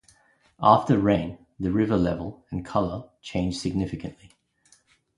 After rain the river level and color change significantly.